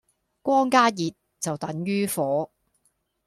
光加熱就等於火